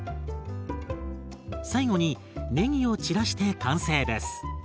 最後にねぎを散らして完成です。